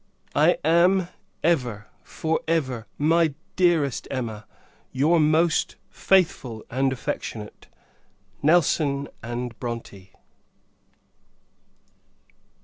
I am, ever, for ever, my dearest Emma, your most faithful and affectionate NELSON & BRONTE.